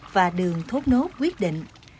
và đường thốt nốt quyết định